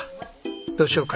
どうしようか？